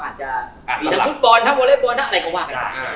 อาจจะกินทางฟุตบอลทางวงเล่นบอลอะไรก็ว่า